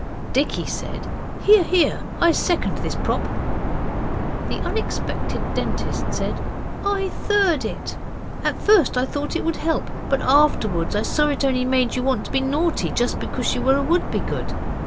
Dicky said, 'Hear! hear! I second this prop.' The unexpected Dentist said, 'I third it. At first I thought it would help, but afterwards I saw it only made you want to be naughty, just because you were a Wouldbegood.